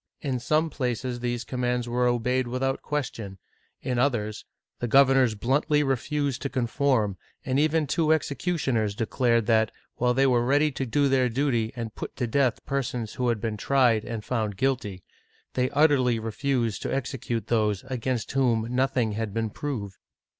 In some places these commands were obeyed without question ; in others, the governors bluntly refused to conform, and even two executioners declared that, while they were ready to do their duty and put to death persons who had been tried and found guilty, they utterly refused to execute those against whom nothing had been proved